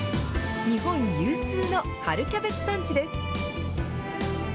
日本有数の春キャベツ産地です。